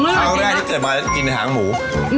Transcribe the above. เครื่องหน้านี้เกิดมากินหางหมู